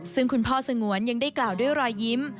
ซึ่งคุณพ่อสงวนยังได้กล่าวด้วยรอยยิ้ม